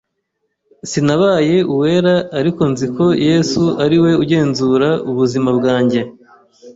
Sinabaye uwera ariko nziko Yesu ariwe ugenzura ubuzima bwanjye.